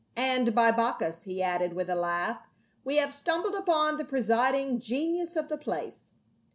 "And, by Bacchus," he added with a laugh, " we have stumbled upon the presiding genius of the place."